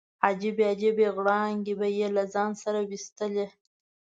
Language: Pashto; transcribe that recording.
عجیبې عجیبې غړانګې به یې له ځان څخه ویستلې.